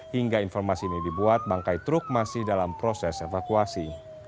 hingga informasi ini dibuat bangkai truk masih dalam proses evakuasi